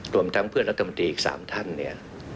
รวมทั้งเพื่อนรัฐมนตรีอีก๓ท่านเนี่ย